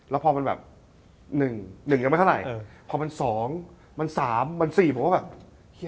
ต่อเวลาอีก๑๐ประสิทธิ์